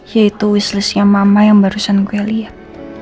yaitu wish list nya mama yang barusan gue lihat